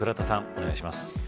お願いします。